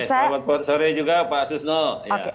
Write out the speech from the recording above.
selamat sore juga pak susno